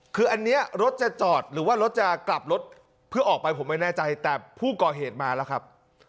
คืออันนี้รถจะจอดหรือว่ารถจะกลับรถเพื่อออกไปผมไม่แน่ใจแต่ผู้ก่อเหตุมาแล้วครับ